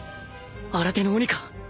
新手の鬼か？